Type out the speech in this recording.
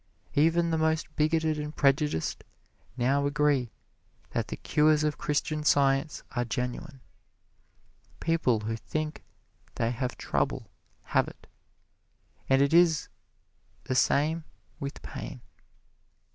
Even the most bigoted and prejudiced now agree that the cures of Christian Science are genuine. People who think they have trouble have it, and it is the same with pain.